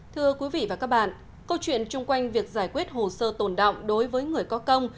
thưa quý vị và các bạn câu chuyện chung quanh việc giải quyết hồ sơ tồn động đối với người có công